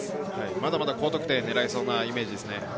まだまだ高得点を狙えそうなイメージですね。